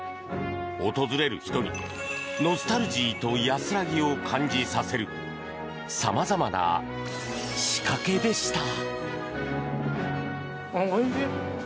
訪れる人に、ノスタルジーと安らぎを感じさせるさまざまな仕掛けでした。